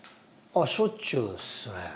あっしょっちゅうっすね。